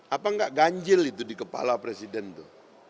apa enggak ganjil itu di kepala presiden itu